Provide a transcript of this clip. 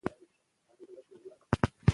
د زده کړې مور د ټولنې برخه ده.